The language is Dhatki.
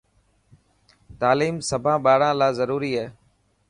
تاليم سڀان ٻاران لاءِ ضروري هي.